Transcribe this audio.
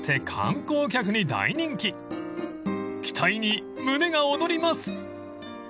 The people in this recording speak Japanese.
［期待に胸が躍ります］